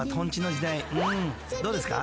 ［どうですか？］